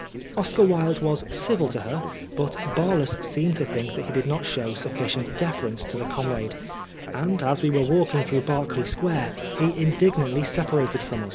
Oscar Wilde was civil to her, but Barlas seemed to think that he did not show sufficient deference to the comrade ; and as we were walking through Berkeley Square, he indignantly separated from us.